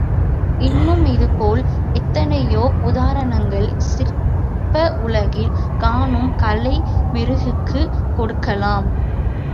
இன்னும் இதுபோல் எத்தனையோ உதாரணங்கள் சிற்ப உலகில் காணும் கலை மெருகுக்குக் கொடுக்கலாம்.